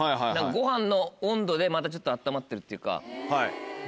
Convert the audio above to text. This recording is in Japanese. ご飯の温度でまたちょっと温まってるっていうか。